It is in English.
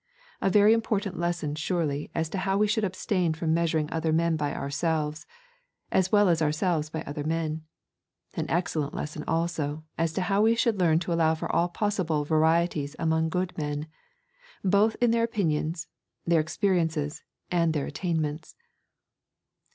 A very important lesson surely as to how we should abstain from measuring other men by ourselves, as well as ourselves by other men; an excellent lesson also as to how we should learn to allow for all possible varieties among good men, both in their opinions, their experiences, and their attainments.